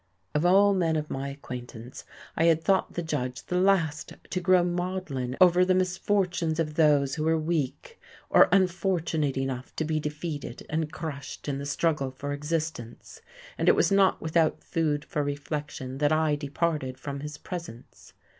Of all men of my acquaintance I had thought the Judge the last to grow maudlin over the misfortunes of those who were weak or unfortunate enough to be defeated and crushed in the struggle for existence, and it was not without food for reflection that I departed from his presence.